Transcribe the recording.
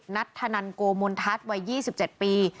นัทธนันโกมนทัศน์วัย๒๗ปี